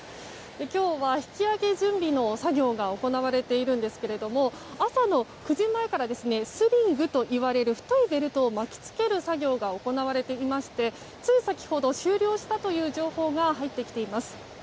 今日は引き揚げ準備の作業が行われていますが朝の９時前からスリングといわれる太いベルトを巻きつける作業が行われていましてつい先ほど終了したという情報が入ってきています。